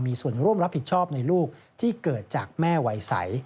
มีส่วนร่วมรับผิดชอบในลูกที่เกิดจากแม่วัยใส